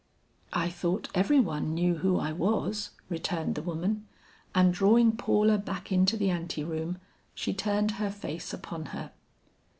"I thought every one knew who I was," returned the woman; and drawing Paula back into the ante room, she turned her face upon her.